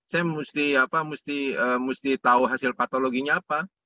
saya mesti tahu hasil patologinya apa